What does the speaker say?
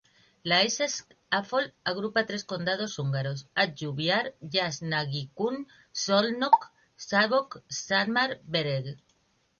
La Észak-Alföld agrupa tres condados húngaros: Hajdú-Bihar, Jász-Nagykun-Szolnok y Szabolcs-Szatmár-Bereg.